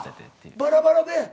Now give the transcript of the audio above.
バラバラで？